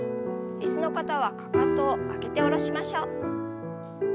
椅子の方はかかとを上げて下ろしましょう。